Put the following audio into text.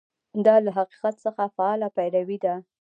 دا له حقیقت څخه فعاله پیروي ده.